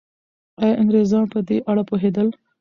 ایا انګریزان په دې اړه پوهېدل؟